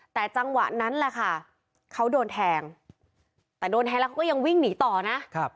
แต่จังหวะนั้นแหละค่ะเขาโดนแทงแต่โดนแทงแล้วเขาก็ยังวิ่งหนีต่อนะ